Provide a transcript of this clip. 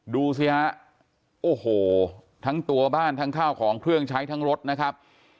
ดูสิฮะโอ้โหทั้งตัวบ้านทั้งข้าวของเครื่องใช้ทั้งรถนะครับ